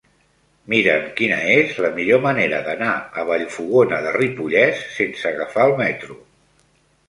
Mira'm quina és la millor manera d'anar a Vallfogona de Ripollès sense agafar el metro.